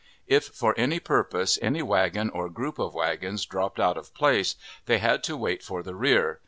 If for any purpose any wagon or group of wagons dropped out of place, they had to wait for the rear.